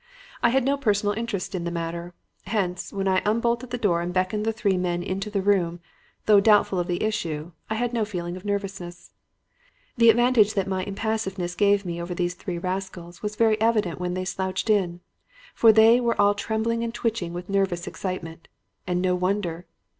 I had no personal interest in the matter. Hence, when I unbolted the door and beckoned the three men into the room, though doubtful of the issue, I had no feeling of nervousness. "The advantage that my impassiveness gave me over those three rascals was very evident when they slouched in, for they were all trembling and twitching with nervous excitement. And no wonder.